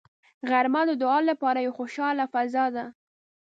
غرمه د دعا لپاره یوه خوشاله فضا ده